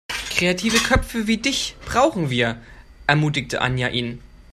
Kreative Köpfe wie dich brauchen wir, ermutigte Anja ihn.